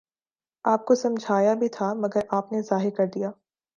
آپ کو سمجھایا بھی تھا مگر آپ نے ظاہر کر دیا۔